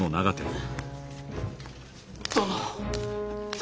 殿。